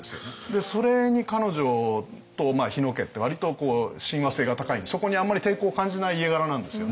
でそれに彼女と日野家って割と親和性が高いんでそこにあんまり抵抗を感じない家柄なんですよね。